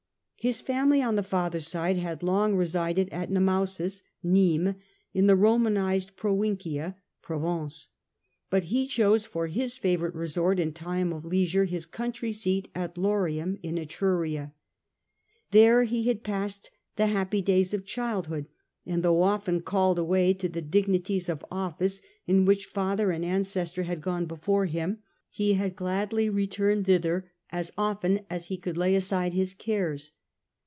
His family on the father's side had long resided at Nemausus (Nismes), in the Romanised Provincia (Provence), but he chose for his favourite resort in time of leisure his country seat at Lorium in Etruria. There he had passed the hu homely happy years of childhood ; and though often life at called away to the dignities of office in which father and ancestors had gone before him, he had gladly returned thither as often as he could lay aside his cares.